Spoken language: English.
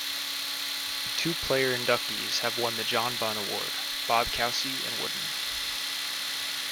Two player inductees have won the John Bunn Award-Bob Cousy and Wooden.